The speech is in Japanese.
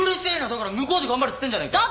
だから向こうで頑張るっつってんじゃねえかよ。